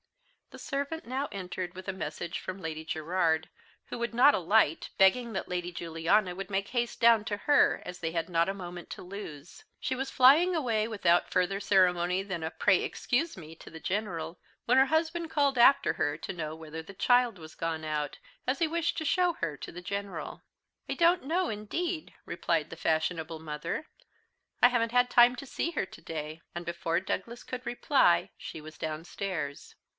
The servant now entered with a message from Lady Gerard, who would not alight, begging that Lady Juliana would make haste down to her, as they had not a moment to lose. She was flying away, without further ceremony than a "Pray, excuse me," to the General, when her husband called after her to know whether the child was gone out, as he wished to show her to the General. "I don't know, indeed," replied the fashionable mother; "I haven't had time to see her to day;" and, before Douglas could reply she was downstairs.